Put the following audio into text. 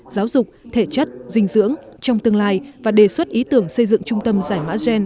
giáo dục thể chất dinh dưỡng trong tương lai và đề xuất ý tưởng xây dựng trung tâm giải mã gen